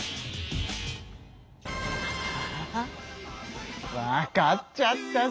あわかっちゃったぞ！